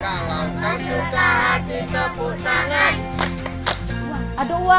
kalau tak suka hati keputangan